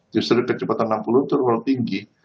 justru kecepatan enam puluh itu terlalu tinggi